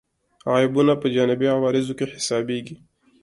عیبونه په جانبي عوارضو کې حسابېږي.